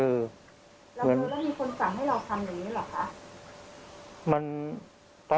แล้วมีคนสั่งให้เราทำอย่างนี้เหรอคะ